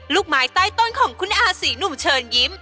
ลูกไม้ใต้ต้นของคุณอาศรีหนุ่มเชิญยิ้ม